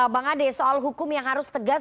bang ade soal hukum yang harus tegas